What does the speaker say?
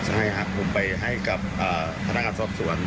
ใช่ครับผมไปให้กับพนักงานสอบสวน